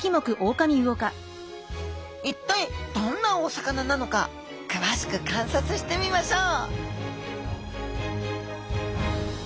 一体どんなお魚なのか詳しく観察してみましょう！